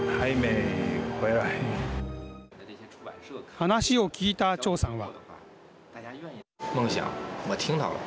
話を聞いた趙さんは。